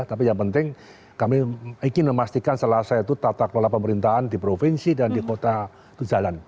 tapi yang penting kami ingin memastikan selasa itu tata kelola pemerintahan di provinsi dan di kota itu jalan